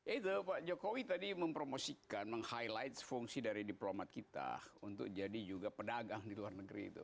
itu pak jokowi tadi mempromosikan meng highlight fungsi dari diplomat kita untuk jadi juga pedagang di luar negeri itu